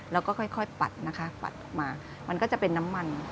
แล้วก็ค่อยปัดนะคะปัดออกมามันก็จะเป็นน้ำมัน